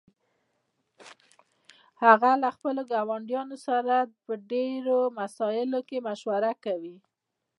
هغه د خپلو ګاونډیانو سره په ډیرو مسائلو کې مشوره کوي